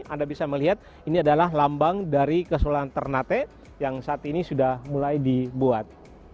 anda bisa melihat ini adalah lambang dari kesulan ternate yang saat ini sudah mulai dibuat